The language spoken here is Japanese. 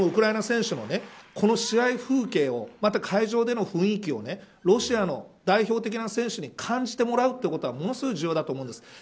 ウクライナ選手の試合風景をまた会場での雰囲気をロシアの代表的な選手に感じてもらうということはものすごい重要だと思うんです。